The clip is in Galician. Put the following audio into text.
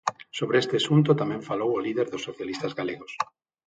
Sobre este asunto tamén falou o líder dos socialistas galegos.